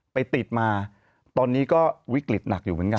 ไปติดมาตอนนี้ก็วิกฤตหนักอยู่เหมือนกัน